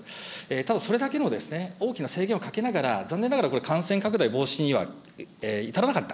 ただそれだけの大きな制限をかけながら、残念ながら感染拡大防止には至らなかった。